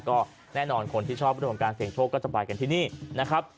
ก็แน่นอนคนที่ชอบเรื่องของการเสี่ยงโชคก็จะไปกันที่นี่นะครับ